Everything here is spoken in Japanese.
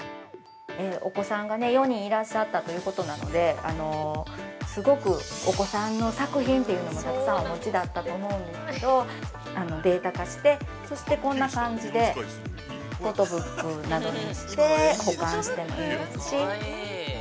◆お子さんが４人いらっしゃったということなので、すごくお子さんの作品というのもたくさんお持ちだったと思うんですけど、データ化して、そしてこんな感じでフォトブックなどにして保管してもいいですし。